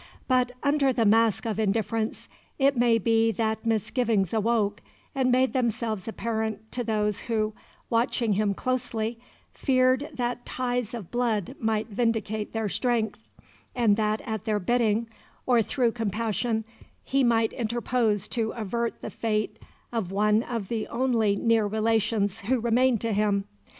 But, under the mask of indifference, it may be that misgivings awoke and made themselves apparent to those who, watching him closely, feared that ties of blood might vindicate their strength, and that at their bidding, or through compassion, he might interpose to avert the fate of one of the only near relations who remained to him.